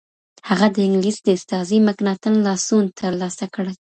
هغه د انگلیس د استازي مکناتن لاسوند ترلاسه کړ.